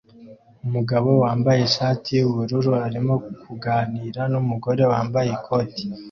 Umugabo wambaye ishati yubururu arimo kuganira numugabo wambaye ikoti